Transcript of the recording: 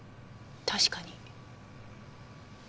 確かに。